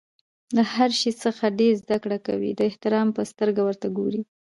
له هر شي څخه چي زدکړه کوى؛ د احترام په سترګه ورته ګورئ!